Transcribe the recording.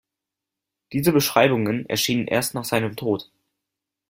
Diese Beschreibungen erschienen erst nach seinem Tod.